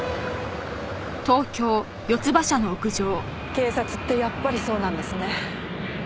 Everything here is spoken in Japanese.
警察ってやっぱりそうなんですね。